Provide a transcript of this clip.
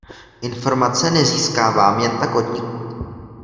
Informace nezískávám jen tak odnikud.